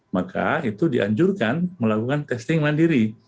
maka itu dianjurkan melakukan testing mandiri